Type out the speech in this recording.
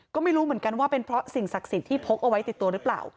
ก็ไม่รู้เหมือนกันว่าเป็นเพราะสิ่งศักดิ์สิทธิ์ที่พกเอาไว้ติดตัวหรือเปล่า